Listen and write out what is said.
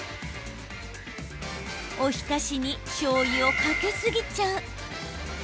お浸しにしょうゆをかけ過ぎちゃう。